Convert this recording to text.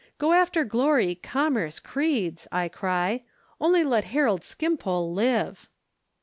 "Go after glory, commerce, creeds," I cry; "only let Harold Skimpole live!"